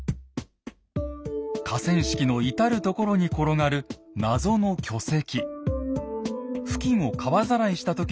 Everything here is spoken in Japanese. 河川敷の至る所に転がる謎の巨石。